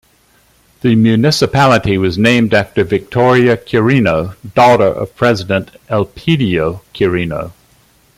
The municipality was named after Victoria Quirino, daughter of President Elpidio Quirino.